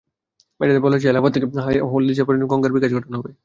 বাজেটে বলা হয়েছে, এলাহাবাদ থেকে হলদিয়া পর্যন্ত গঙ্গার বিকাশ ঘটানো হবে।